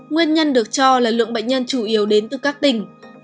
nguyên nhân được cho là lượng bệnh nhân chủ yếu đến từ các tỉnh